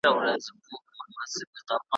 نوم چي دي پر زړه لیکم څوک خو به څه نه وايي ,